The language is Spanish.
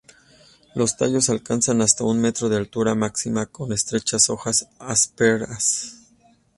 Los tallos alcanzan hasta un metro de altura máxima con estrechas hojas ásperas.